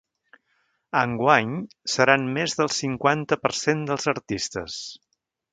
Enguany, seran més del cinquanta per cent dels artistes.